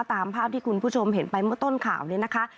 ตามภาพที่คุณผู้ชมเห็นไปเมื่อต้นข่าวนี้นะคะ